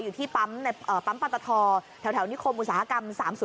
อยู่ที่ปั๊มปตทแถวนิคมอุตสาหกรรม๓๐